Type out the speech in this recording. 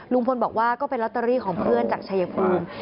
ลุงพลบอกว่าก็เป็นลอตเตอรี่ของเพื่อนจากชายภูมิ